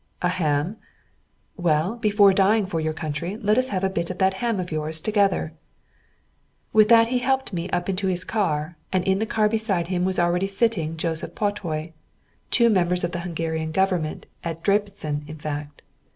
"A ham." "Well, before dying for your country, let us have a bit of that ham of yours together." With that he helped me up into his car, and in the car beside him was already sitting Joseph Patay two members of the Hungary Government at Debreczin, in fact.